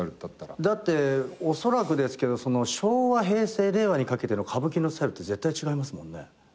だっておそらくですけど昭和平成令和にかけての歌舞伎のスタイルって絶対違いますもんね。